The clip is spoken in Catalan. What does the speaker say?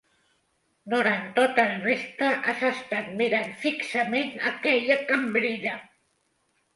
Durant tot el vespre has estat mirant fixament aquella cambrera!